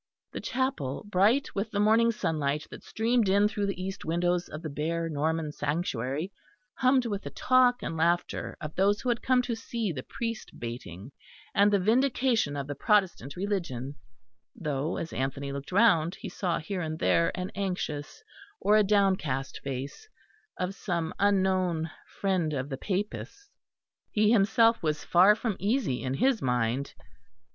The chapel, bright with the morning sunlight that streamed in through the east windows of the bare Norman sanctuary, hummed with the talk and laughter of those who had come to see the priest baiting and the vindication of the Protestant Religion; though, as Anthony looked round, he saw here and there an anxious or a downcast face of some unknown friend of the Papists. He himself was far from easy in his mind.